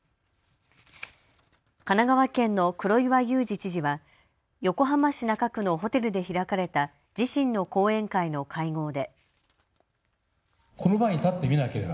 神奈川県の黒岩祐治知事は横浜市中区のホテルで開かれた自身の後援会の会合で。